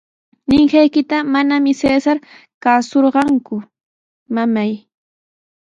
Ninqaykita manami Cesar kaasurqanku, mamay.